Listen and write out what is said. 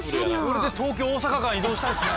これで東京大阪間移動したいっすね。